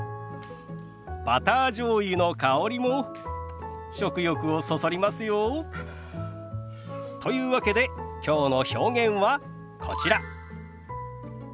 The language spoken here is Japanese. バターじょうゆの香りも食欲をそそりますよ。というわけできょうの表現はこちら。